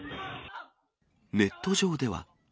ネット上では。